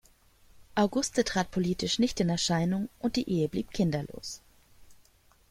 Auguste trat politisch nicht in Erscheinung, und die Ehe blieb kinderlos.